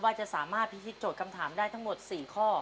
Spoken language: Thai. ว่าจะสามารถพิธีโจทย์คำถามได้ทั้งหมด๔ข้อ